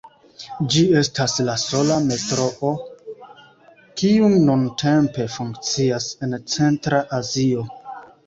Ĝi estas la sola metroo kiu nuntempe funkcias en Centra Azio.